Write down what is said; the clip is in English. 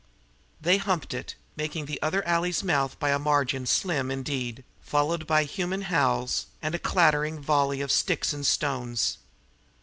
They humped it, making the other alley's mouth by a margin slim indeed, followed by human howls and a clattering volley of sticks and stones.